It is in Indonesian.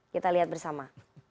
kita lihat bersama